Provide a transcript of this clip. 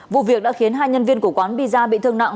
vụ việc đã khiến hai nhân viên của quán pizza bị thương nặng